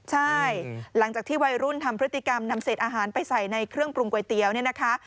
ใช่หลังจากที่วัยรุ่นทำพฤติกรรมนำเศษอาหารไปใส่ในเครื่องปรุงก๋วยเตี๋ยวเนี่ยนะคะ